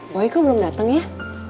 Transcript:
boy kok belum dateng ya